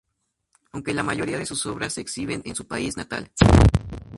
Aunque la mayoría de sus obras se exhiben en su país natal, Japón.